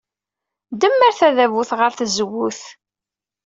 Demmer tadabut ɣer tzewwut.